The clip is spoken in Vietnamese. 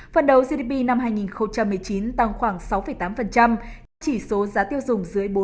phần đầu gdp năm hai nghìn một mươi chín tăng khoảng sáu tám chỉ số giá tiêu dùng dưới bốn